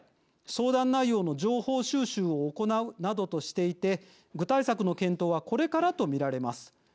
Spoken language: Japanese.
相談内容の情報収集を行うなどとしていて具体策の検討はこれからと見られます。